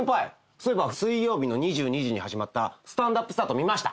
そういえば水曜日の２２時に始まった『スタンドＵＰスタート』見ました？